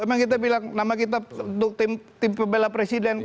emang kita bilang nama kita untuk tim pembela presiden